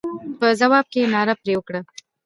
په ځواب کې ناره پر وکړه.